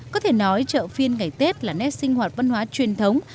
có thể nói chợ phiên ngày tết là nét sinh hoạt văn hóa truyền thống